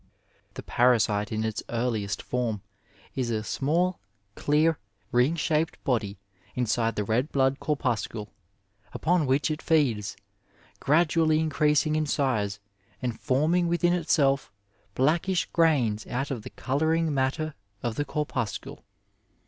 The parasite in its earliest form is a small, dear, ring shaped body inside the red blood corpuscle, upon which it feeds, gradually increasing in size and forming within itself blackish grains out of the colouring matter of the corpuscle.